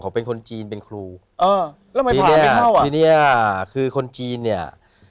เขาเป็นคนจีนเป็นครูทีนี้คือคนจีนเนี่ย